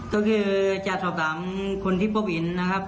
ก็คือจากศพตามคนที่พบอินนะครับ